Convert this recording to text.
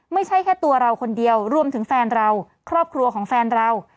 ไม่ใช่แค่ตัวเราคนเดียวรวมถึงแฟนเราครอบครัวของแฟนเรา